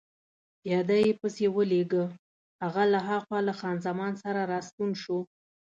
پیاده يې پسې ولېږه، هغه له هاخوا له خان زمان سره راستون شو.